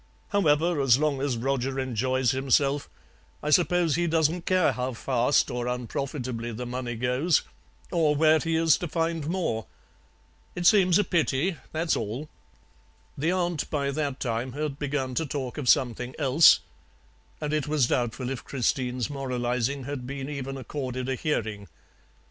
However, as long as Roger enjoys himself, I suppose he doesn't care how fast or unprofitably the money goes, or where he is to find more. It seems a pity, that's all.' "The aunt by that time had begun to talk of something else, and it was doubtful if Christine's moralizing had been even accorded a hearing.